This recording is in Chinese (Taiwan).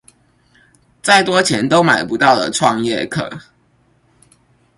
再多錢都買不到的創業課